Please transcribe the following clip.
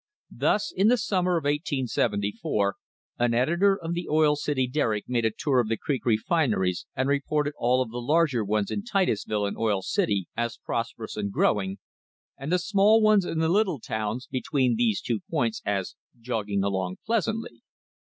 Thus, in the summer of 1874 an editor of the Oil City Derrick made a tour of the creek refineries and reported all of the larger ones in Titusville and Oil City as prosperous and growing, and the small ones in the little towns between these two points as "jogging along pleasantly."